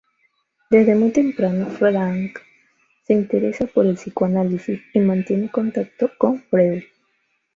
Desde muy temprano Frankl se interesa por el psicoanálisis y mantiene contacto con Freud.